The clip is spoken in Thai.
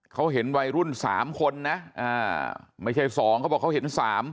เขาเห็นวัยรุ่น๓คนนะไม่ใช่๒เขาบอกเขาเห็น๓